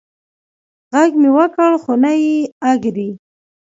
غږ مې وکړ خو نه یې اږري